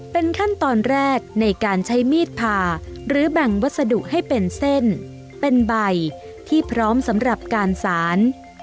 เป็นขั้นตอนแรกในการใช้มีดผ่าหรือแบ่งวัสดุให้เป็นเส้นเป็นใบที่พร้อมสำหรับการสาร